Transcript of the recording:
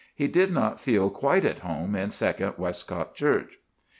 He did not feel quite at home in Second Westcock Church.